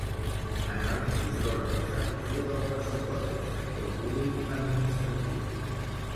Anàlisi sobre l'execució del pressupost del sector públic administratiu.